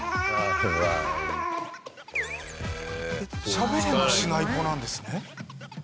しゃべれもしない子なんですね。